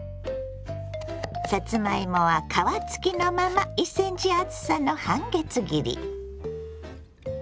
さつまいもは皮付きのまま１ｃｍ厚さの半月切り。